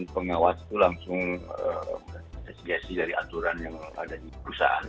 pengawas itu langsung esgesi dari aturan yang ada di perusahaan